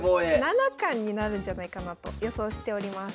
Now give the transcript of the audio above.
七冠になるんじゃないかなと予想しております。